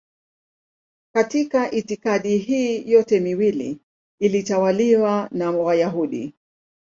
Katika itikadi hii yote miwili ilitawaliwa na Wayahudi.